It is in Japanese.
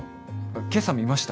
今朝見ました。